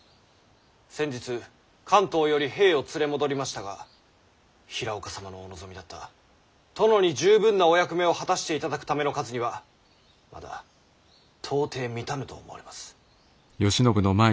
先日関東より兵を連れ戻りましたが平岡様のお望みだった殿に十分なお役目を果たしていただくための数にはまだ到底満たぬと思われます。